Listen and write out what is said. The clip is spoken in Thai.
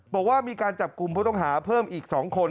บอกว่ามีการจับกลุ่มผู้ต้องหาเพิ่มอีก๒คน